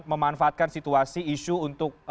memanfaatkan situasi isu untuk